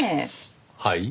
はい？